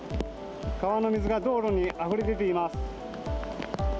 川の水が道路にあふれ出ています。